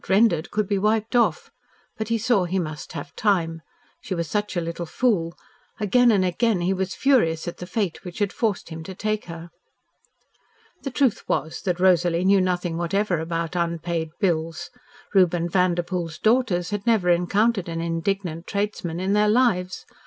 rendered" could be wiped off, but he saw he must have time. She was such a little fool. Again and again he was furious at the fate which had forced him to take her. The truth was that Rosalie knew nothing whatever about unpaid bills. Reuben Vanderpoel's daughters had never encountered an indignant tradesman in their lives.